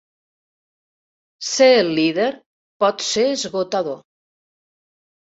Ser el líder pot ser esgotador.